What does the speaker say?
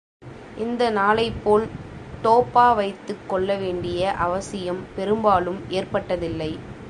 இந்த நாளைப்போல் டோப்பா வைத்துக் கொள்ள வேண்டிய அவசியம் பெரும்பாலும் ஏற்பட்டதில்லை.